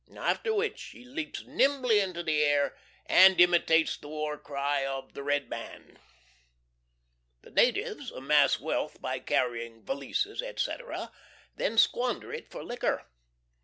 After which he leaps nimbly into the air and imitates the war cry of the red man. .... The natives amass wealth by carrying valises, &c., then squander it for liquor.